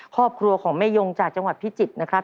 ครอบครัวของแม่ยงจากจังหวัดพิจิตรนะครับ